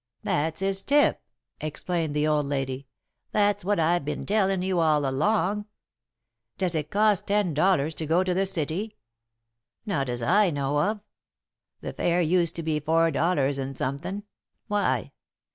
"That's his tip," explained the old lady. "That's what I've been tellin' you all along." "Does it cost ten dollars to go to the city?" "Not as I know of. The fare used to be four dollars and somethin'. Why?"